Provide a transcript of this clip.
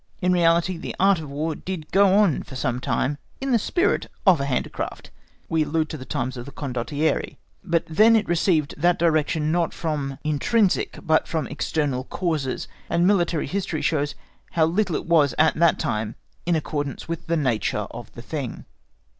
In reality the Art of War did go on for some time in the spirit of a handicraft—we allude to the times of the Condottieri—but then it received that direction, not from intrinsic but from external causes; and military history shows how little it was at that time in accordance with the nature of the thing.